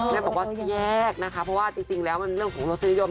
บอกว่าแค่แยกนะคะเพราะว่าจริงแล้วมันเรื่องของรสนิยม